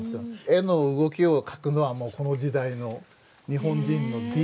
絵の動きを描くのはもうこの時代の日本人のＤＮＡが。